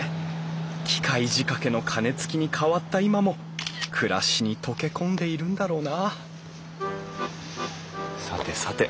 機械仕掛けの鐘つきに変わった今も暮らしに溶け込んでいるんだろうなさてさて